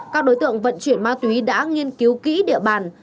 các đối tượng vận chuyển ma túy đã nghiên cứu kỹ địa bàn